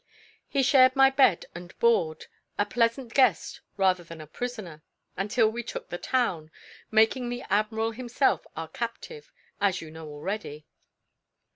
He shared my bed and board, a pleasant guest rather than a prisoner, until we took the town, making the admiral himself our captive, as you know already.